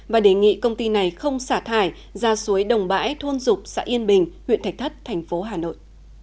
và đề nghị công ty này không xả thải ra suối đồng bãi thôn dục xã yên bình huyện thạch thất thành phố hà nội